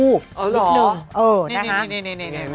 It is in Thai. อ๋อเหรอนี่นี่ไงมึงไง